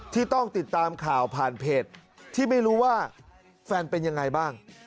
ที่ต้องติดตามข่าวผ่านเพจที่ไม่รู้ว่าแฟนเป็นยังไงบ้าง